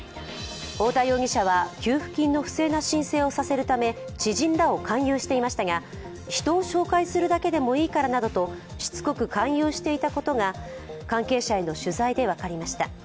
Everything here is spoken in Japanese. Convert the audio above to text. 太田容疑者は給付金の不正な申請をさせるため知人らを勧誘していましたが人を紹介するだけでもいいからなどとしつこく勧誘していたことが関係者への取材で分かりました。